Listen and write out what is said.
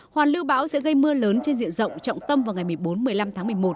hoàn lưu bão sẽ gây mưa lớn trên diện rộng trọng tâm vào ngày một mươi bốn một mươi năm tháng một mươi một